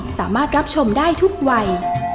สามารถรับชมได้ทุกวัย